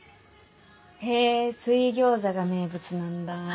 へぇ水餃子が名物なんだ。